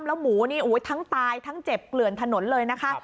แล้วหมูนี่ทั้งตายทั้งเจ็บเกลื่อนถนนเลยนะคะ